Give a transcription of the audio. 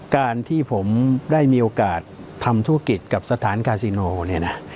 การที่ผมได้มีโอกาสทำธุรกิจกับสถานกาซิโนเนี่ยนะ